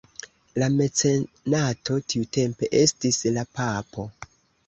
La mecenato tiutempe estis la Papo.